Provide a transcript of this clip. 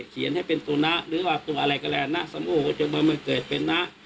เขียนให้เป็นตัวนะหรือว่าตัวอะไรก็แล้วนะสมโอ้จนมามันเกิดเป็นนะ